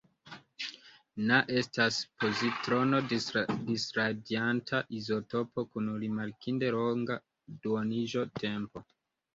Na estas pozitrono-disradianta izotopo kun rimarkinde longa duoniĝotempo.